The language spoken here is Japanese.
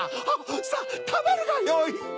さぁたべるがよい。